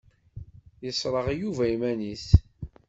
Yesṛeɣ Yuba iman-is.